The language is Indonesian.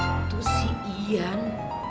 itu si ian